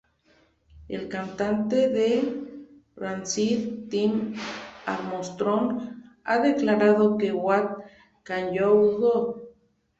El cantante de Rancid, Tim Armstrong, ha declarado que "What Can You Do?